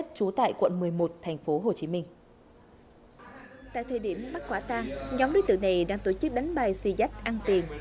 tại thời điểm bắt quả tang nhóm đối tượng này đang tổ chức đánh bài si giách ăn tiền